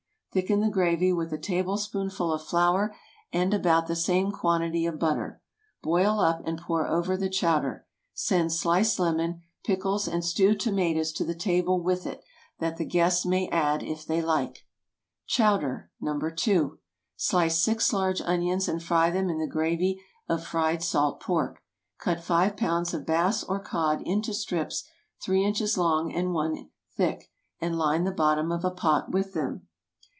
Thicken the gravy with a tablespoonful of flour and about the same quantity of butter. Boil up and pour over the chowder. Send sliced lemon, pickles, and stewed tomatoes to the table with it, that the guests may add, if they like. CHOWDER (No. 2.) Slice six large onions, and fry them in the gravy of fried salt pork. Cut five pounds of bass or cod into strips three inches long and one thick, and line the bottom of a pot with them.